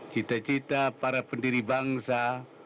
cita cita para pendiri bangsa